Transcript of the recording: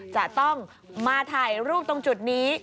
จะต้องมาถ่ายรูปตรงจุดนี้